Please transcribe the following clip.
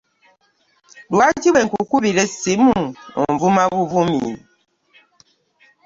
Lwaki bwe nkukubira essimu onvuma buvumi?